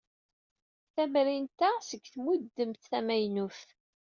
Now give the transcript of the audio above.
Tamrint-a seg tmudemt tamaynut.